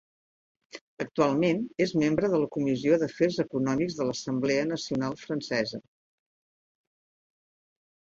Actualment és membre de la Comissió d'Afers Econòmics de l'Assemblea Nacional Francesa.